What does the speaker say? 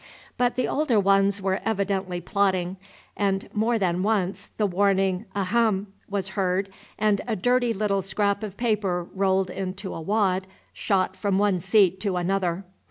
But the older ones were evidently plotting, and more than once the warning a'h'm! was heard, and a dirty little scrap of paper rolled into a wad shot from one seat to another.